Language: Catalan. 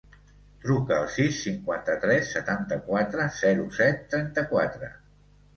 Truca al sis, cinquanta-tres, setanta-quatre, zero, set, trenta-quatre.